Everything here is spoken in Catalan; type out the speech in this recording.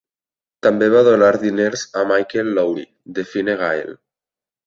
També va donar diners a Michael Lowry, de Fine Gael.